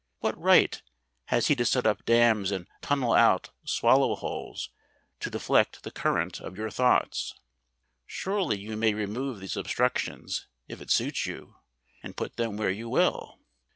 What right has he to set up dams and tunnel out swallow holes to deflect the current of your thoughts? Surely you may remove these obstructions, if it suits you, and put them where you will.